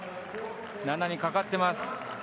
菜那にかかっています。